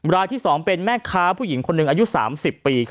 รายที่๒เป็นแม่ค้าผู้หญิงคนหนึ่งอายุ๓๐ปี